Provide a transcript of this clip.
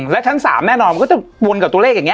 และชั้น๓แน่นอนมันก็จะวนกับตัวเลขอย่างนี้